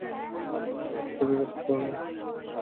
আর তুমি মিশরীয় রাজপুত্র নও।